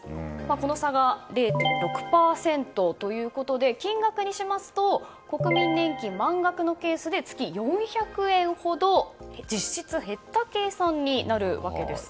この差が、０．６％ということで金額にしますと国民年金満額のケースで月４００円ほど実質減った計算になるわけです。